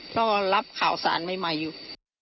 ก็รับข่าวสารใหม่อยู่